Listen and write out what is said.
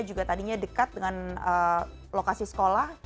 juga tadinya dekat dengan lokasi sekolah